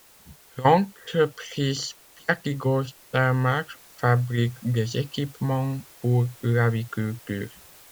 L'entreprise Piatigorskselmach fabrique des équipements pour l'aviculture.